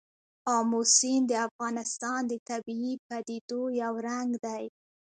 آمو سیند د افغانستان د طبیعي پدیدو یو رنګ دی.